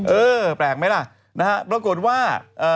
เออแปลกไหมล่ะนะฮะปรากฏว่า